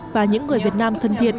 và những người việt nam thân thiện